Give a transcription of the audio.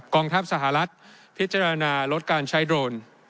องทัพสหรัฐพิจารณาลดการใช้โดรน